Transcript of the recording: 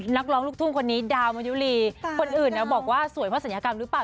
นักร้องลูกทุ่งคนนี้ดาวมะยุรีคนอื่นบอกว่าสวยเพราะศัลยกรรมหรือเปล่า